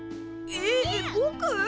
えっぼく！？